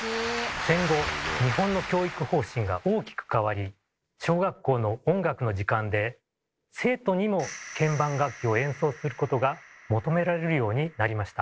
戦後日本の教育方針が大きく変わり小学校の音楽の時間で生徒にも鍵盤楽器を演奏することが求められるようになりました。